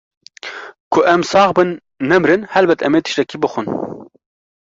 Ku em sax bin nemrin helbet em ê tiştekî bixwin.